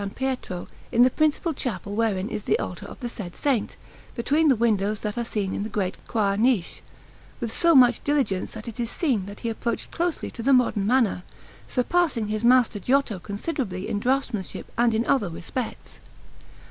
Pietro, in the principal chapel wherein is the altar of the said Saint, between the windows that are in the great choir niche, with so much diligence that it is seen that he approached closely to the modern manner, surpassing his master Giotto considerably in draughtsmanship and in other respects.